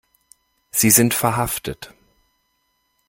Sie sind verhaftet.